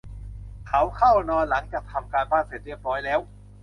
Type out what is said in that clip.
เขาเข้านอนหลังจากทำการบ้านเสร็จเรียบร้อยแล้ว